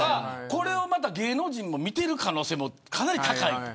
これを芸能人も見てる可能性も、かなり高い。